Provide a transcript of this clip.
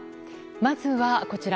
まずはこちら。